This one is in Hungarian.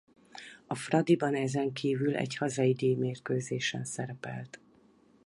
A Fradiban ezenkívül egy hazai díjmérkőzésen szerepelt.